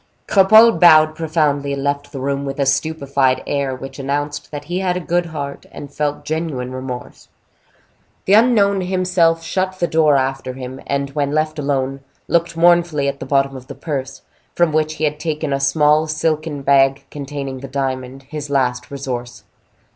Cropole bowed profoundly, and left the room with a stupefied air, which announced that he had a good heart, and felt genuine remorse. The unknown himself shut the door after him, and, when left alone, looked mournfully at the bottom of the purse, from which he had taken a small silken bag containing the diamond, his last resource.